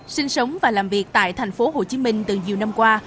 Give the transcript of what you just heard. sinh sống và làm việc tại thành phố hồ chí minh từ nhiều năm qua